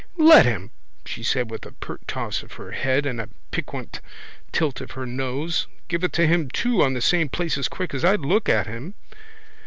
—Let him! she said with a pert toss of her head and a piquant tilt of her nose. Give it to him too on the same place as quick as I'd look at him.